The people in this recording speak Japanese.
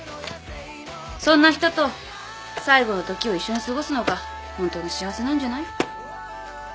そんな人と最期の時を一緒に過ごすのがホントの幸せなんじゃない？